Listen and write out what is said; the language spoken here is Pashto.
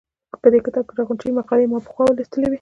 په دې کتاب کې راغونډې شوې مقالې ما پخوا لوستې وې.